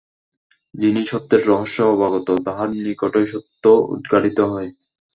যিনি সত্যের রহস্য অবগত, তাঁহার নিকটই সত্য উদ্ঘাটিত হয়।